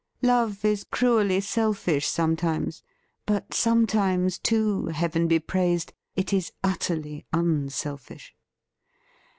Love is cruelly selfish sometimes, but sometimes, too. Heaven be praised ! it is utterly unselfish.